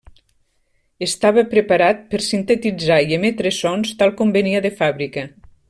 Estava preparat per sintetitzar i emetre sons tal com venia de fàbrica.